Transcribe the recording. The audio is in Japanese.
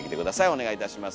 お願いいたします。